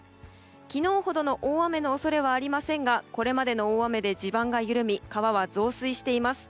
昨日ほどの大雨の恐れはありませんがこれまでの大雨で地盤が緩み川は増水しています。